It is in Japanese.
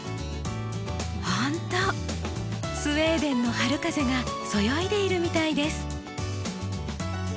ほんとスウェーデンの春風がそよいでいるみたいです。